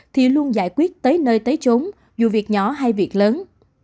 thì luôn giải quyết tới nơi tới trốn dù việc nhỏ hay việc lớn